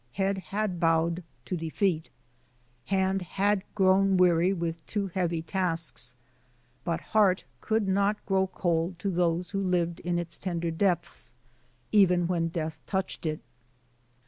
Head had bowed to defeat, hand had grown weary with too heavy tasks, but heart could not grow cold to those who lived in its tender depths, even when death touched it.